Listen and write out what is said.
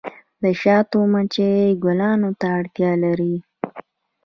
د شاتو مچۍ ګلانو ته اړتیا لري